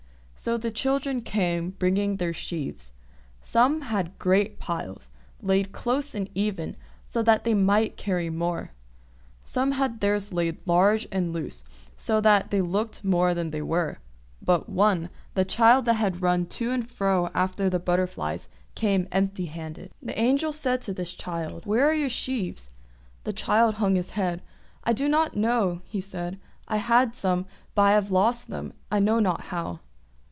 So the children came, bringing their sheaves. Some had great piles, laid close and even, so that they might carry more; some had theirs laid large and loose, so that they looked more than they were; but one, the child that had run to and fro after the butterflies, came empty handed. The Angel said to this child, "Where are your sheaves?" The child hung his head. "I do not know!" he said. "I had some, but I have lost them, I know not how."